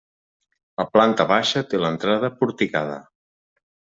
La planta baixa té l'entrada porticada.